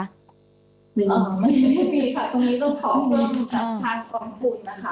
ไม่มีค่ะตรงนี้ต้องขอเรื่องทางกองทุนนะคะ